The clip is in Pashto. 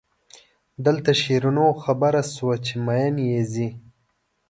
دلته شیرینو خبره شوه چې مئین یې ځي.